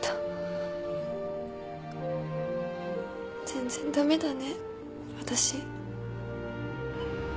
全然駄目だね私。